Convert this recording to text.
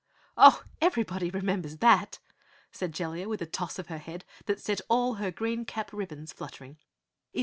"Ho, everybody remembers that," said Jellia with a toss of her head that set all her green cap ribbons fluttering.